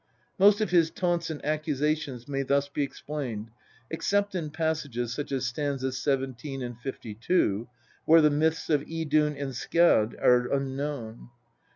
Most of his taunts and accusations may thus be explained, except in passages such as st. 17 and 52, where the myths of Idun and Skadj'are unknown.